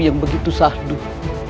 yang begitu sahduh